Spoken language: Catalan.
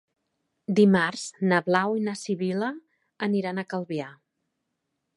Dimarts na Blau i na Sibil·la aniran a Calvià.